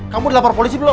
kamu dilapor polisi belum